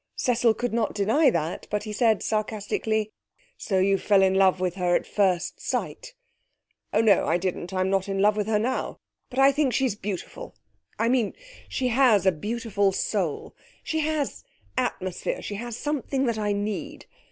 Cecil could not deny that, but he said sarcastically 'So you fell in love with her at first sight?' 'Oh no, I didn't. I'm not in love with her now. But I think she's beautiful. I mean she has a beautiful soul she has atmosphere, she has something that I need.